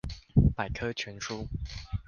百科全書